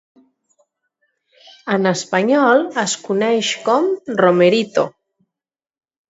En espanyol es coneix com "romerito".